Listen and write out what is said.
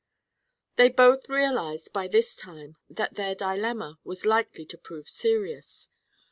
They both realized, by this time, that their dilemma was likely to prove serious.